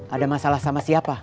ada masalah sama siapa